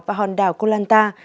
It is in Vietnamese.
và hòn đảo koh lanta